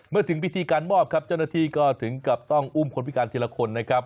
ถึงพิธีการมอบครับเจ้าหน้าที่ก็ถึงกับต้องอุ้มคนพิการทีละคนนะครับ